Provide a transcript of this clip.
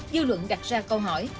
dư luận đặt ra câu hỏi